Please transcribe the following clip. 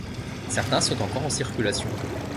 Certains sont encore en circulation.